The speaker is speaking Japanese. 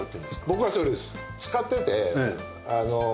僕はそれです。